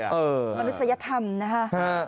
มันรู้สึกว่าอย่าทำนะฮะ